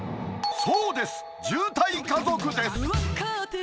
そうです、渋滞家族です。